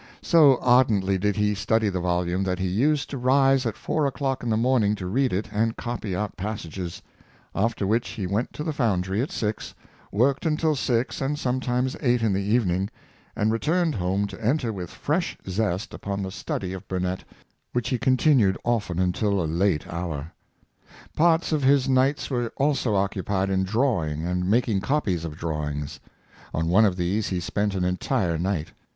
So ardently did he study the volume, that he used to rise at four o'clock in the morning to read it and copy out passages ; after which he went to the foundry at six, worked until six and sometimes eight in the evening; and re turned home to enter with fresh zest upon the study of Burnet, which he continued often until a late hour. Parts of his nights were also occupied in drawing and making copies of drawings. On one of these he spent an entire night.